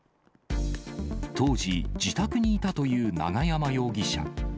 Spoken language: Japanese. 当時、自宅にいたという永山容疑者。